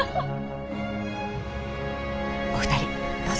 お二人どうぞ。